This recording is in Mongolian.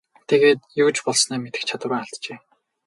Тэгээд юу ч болсноо мэдэх чадвараа алджээ.